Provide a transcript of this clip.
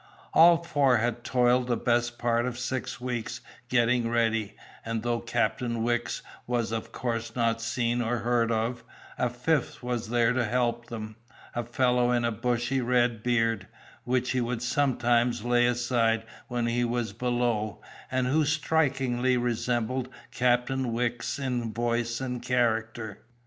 All four had toiled the best part of six weeks getting ready; and though Captain Wicks was of course not seen or heard of, a fifth was there to help them, a fellow in a bushy red beard, which he would sometimes lay aside when he was below, and who strikingly resembled Captain Wicks in voice and character.